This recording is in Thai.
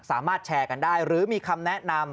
สามารถแชร์กันได้หรือมีคำแนะนำ